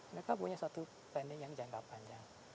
mereka punya satu pending yang jangka panjang